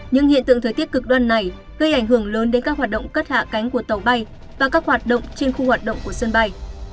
những hiện tượng thời tiết cực đoan này gây ảnh hưởng lớn đến các hoạt động cất hạ cánh của tàu bay và các hoạt động trên khu hoạt động của sân bay